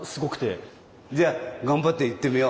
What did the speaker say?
じゃあ頑張っていってみよう。